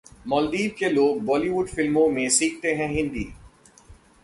मालदीव के लोग बॉलीवुड फिल्मों से सीखते हैं हिंदी